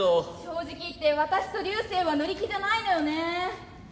「正直言って私とリュウセイは乗り気じゃないのよね」。